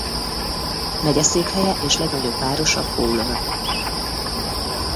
Megyeszékhelye és legnagyobb városa Fowler.